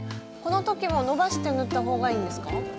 この時も伸ばして縫った方がいいんですか？